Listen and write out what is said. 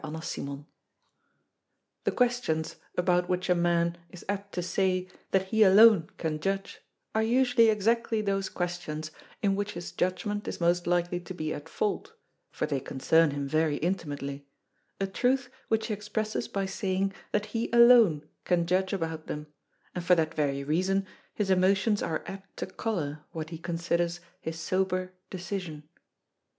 CHAPTER EIGHT The questions about which a man is apt to, say that he alone can judge, are usually exactly those questions in which his judgment is most likely to be at fault, for they concern him very intimately a truth which he expresses by saying that he alone can judge about them, and for that very reason his emotions are apt to colour what he considers his sober decision.